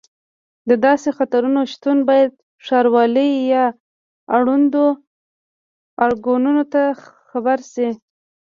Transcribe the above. د داسې خطرونو شتون باید ښاروالۍ یا اړوندو ارګانونو ته خبر شي.